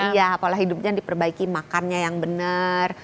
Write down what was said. iya pola hidupnya diperbaiki makannya yang benar